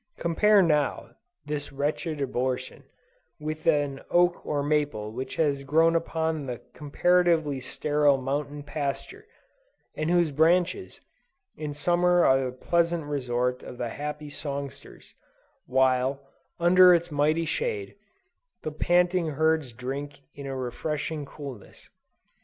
Compare now, this wretched abortion, with an oak or maple which has grown upon the comparatively sterile mountain pasture, and whose branches, in Summer are the pleasant resort of the happy songsters, while, under its mighty shade, the panting herds drink in a refreshing coolness.